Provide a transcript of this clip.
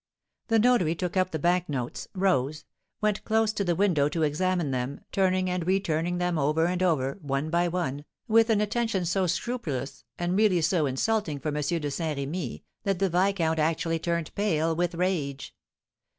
The notary took up the bank notes, rose, went close to the window to examine them, turning and re turning them over and over, one by one, with an attention so scrupulous, and really so insulting for M. de Saint Rémy, that the viscount actually turned pale with rage.